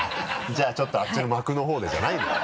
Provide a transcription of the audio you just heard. じゃあちょっとあっちの幕の方でじゃないのよ。